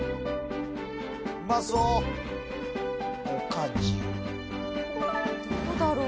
うまそうどこだろう